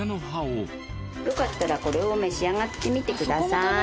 よかったらこれを召し上がってみてください。